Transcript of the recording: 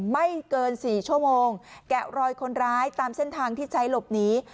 ไม่เกิน๔ชั่วโมงแกะรอยคนร้ายตามเส้นทางที่ใช้หลบหนี